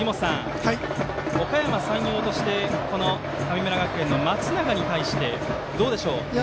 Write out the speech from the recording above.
おかやま山陽として神村学園の松永に対して、どうでしょう。